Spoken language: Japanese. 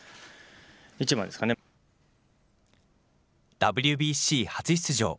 ＷＢＣ初出場。